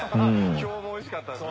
票もおいしかったですね。